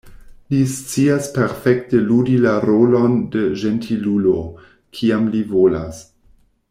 Li scias perfekte ludi la rolon de ĝentilulo, kiam li volas.